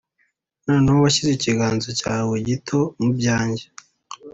noneho washyize ikiganza cyawe gito mu byanjye ...